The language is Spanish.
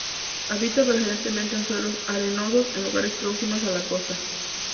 Habita preferentemente en suelos arenosos, en lugares próximas a la costa.